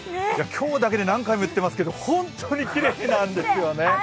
今日だけで、何回も言っていますけれども、本当にきれいなんですよね。